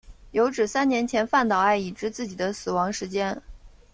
有指三年前饭岛爱已知自己的死亡时间。